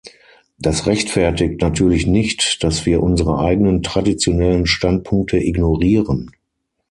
Das rechtfertigt natürlich nicht, dass wir unsere eigenen traditionellen Standpunkte ignorieren.